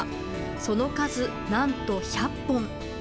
その数、何と１００本。